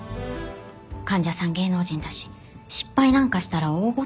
患者さん芸能人だし失敗なんかしたら大ごとですものね。